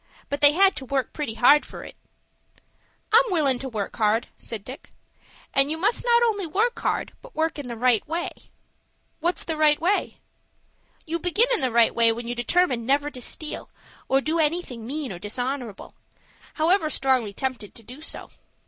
But they had to work pretty hard for it." "I'm willin' to work hard," said Dick. "And you must not only work hard, but work in the right way." "What's the right way?" "You began in the right way when you determined never to steal, or do anything mean or dishonorable, however strongly tempted to do so.